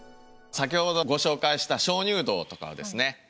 先ほどご紹介した鍾乳洞とかはですね